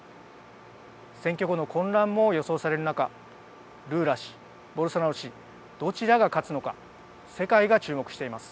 選挙後の混乱も予想される中ルーラ氏、ボルソナロ氏どちらが勝つのか世界が注目しています。